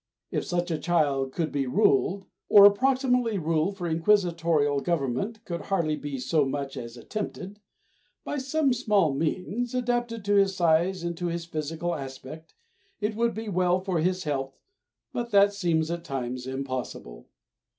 If such a child could be ruled (or approximately ruled, for inquisitorial government could hardly be so much as attempted) by some small means adapted to his size and to his physical aspect, it would be well for his health, but that seems at times impossible.